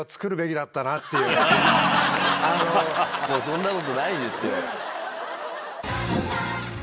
そんなことないですよ。